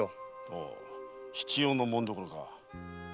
ほう七曜の紋所か。